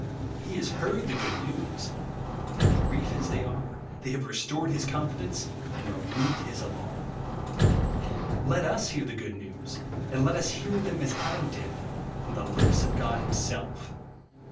He has heard the good news ; and brief as they are, they have restored his confidence and removed his alarm. Let us hear the good news, and let us hear them as Adam did, — from the lips of God himself.